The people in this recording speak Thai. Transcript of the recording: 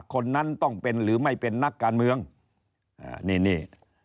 คนนั้นต้องเป็นหรือไม่เป็นนักการเมืองอ่านี่นี่